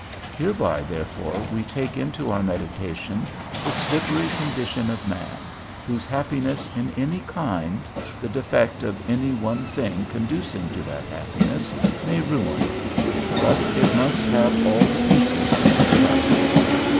Hereby therefore we take into our meditation the slippery condition of man, whose happiness in any kind, the defect of any one thing conducing to that happiness, may ruin; but it must have all the pieces to make it up.